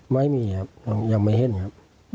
ไม่มีครับยังไม่เห็นครับ